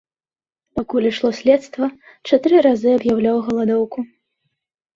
Пакуль ішло следства чатыры разы аб'яўляў галадоўку.